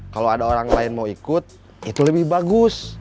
kalau ada orang lain mau ikut itu lebih bagus